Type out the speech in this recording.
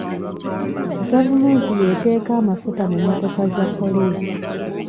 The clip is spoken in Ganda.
Gavumenti y'eteeka amafuta mu mmotoka za poliisi.